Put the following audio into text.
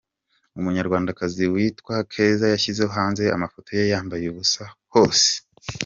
Umunyarwandakazi witwa Keza yashyize hanze amafoto ye yambaye ubusa hose.